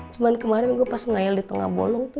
cuman kemarin gue pas ngayal di tengah bolong tuh